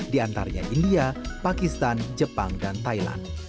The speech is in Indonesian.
di antaranya india pakistan jepang dan thailand